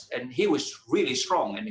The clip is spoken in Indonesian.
dan dia sangat kuat dan sangat sehat